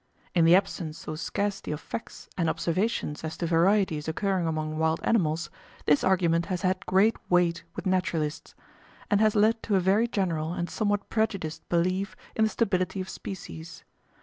In the absence or scarcity of facts and observations as to varieties occurring among wild animals, this argument has had great weight with naturalists, and has led to a very general and somewhat prejudiced belief in the stability of species.